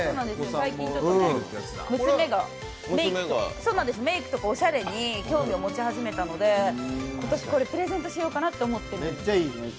最近、娘がメイクとかおしゃれに興味を持ち始めたので今年、これプレゼントしようかなって思ってます。